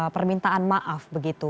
permintaan maaf begitu